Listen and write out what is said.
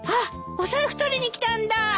お財布取りに来たんだ！